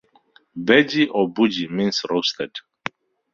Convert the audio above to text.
Beji or burji means roasted.